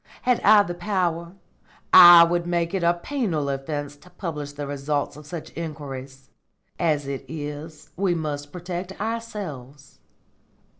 Had I the power, I would make it a penal offence to publish the results of such inquiries. As it is, we must protect ourselves.